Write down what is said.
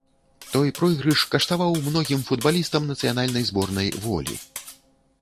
Той пройгрыш каштаваў многім футбалістам нацыянальнай зборнай волі.